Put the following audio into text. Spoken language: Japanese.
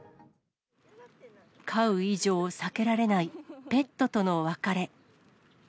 飼う以上、避けられないペットとの別れ。